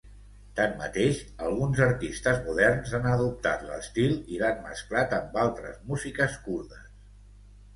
Tanmateix, alguns artistes moderns han adoptat l'estil i l'han mesclat amb altres músiques kurdes.